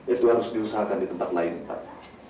itu harus diusahakan di tempat lain pak